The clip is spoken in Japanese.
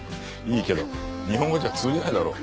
いいけど日本語じゃ通じないだろ。